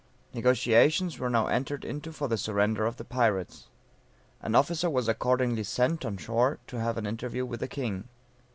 Negociations were now entered into for the surrender of the pirates. An officer was accordingly sent on shore to have an interview with the king.